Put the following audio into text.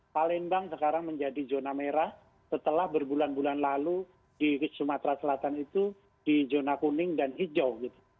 palembang sekarang menjadi zona merah setelah berbulan bulan lalu di sumatera selatan itu di zona kuning dan hijau